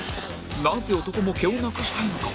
なぜ男も毛をなくしたいのか？